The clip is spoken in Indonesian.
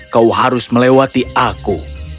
kau harus melewati aku